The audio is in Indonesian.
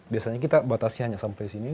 biasanya kita batasi hanya sampai sini